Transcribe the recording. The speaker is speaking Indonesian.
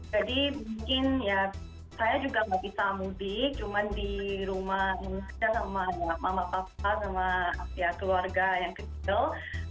jadi mungkin saya juga tidak bisa mudik cuma di rumah sama mama papa keluarga yang kecil